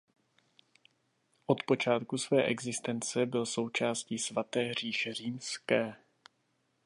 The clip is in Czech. Od počátku své existence byl součástí Svaté říše římské.